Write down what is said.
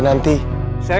tidak ngef pastor